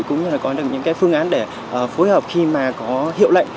cũng như là có được những cái phương án để phối hợp khi mà có hiệu lệnh